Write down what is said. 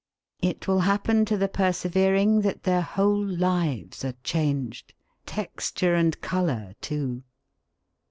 It will happen to the persevering that their whole lives are changed texture and colour, too!